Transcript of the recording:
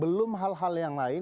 belum hal hal yang lain